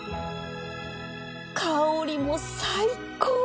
香りも最高！